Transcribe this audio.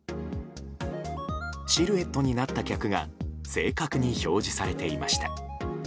シルエットになった客が正確に表示されていました。